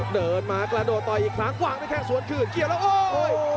เดินมากระโดดต่อยอีกครั้งวางด้วยแข้งสวนคืนเกี่ยวแล้วโอ้ย